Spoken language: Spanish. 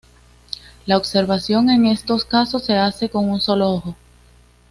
La observación en estos casos se hace con un solo ojo.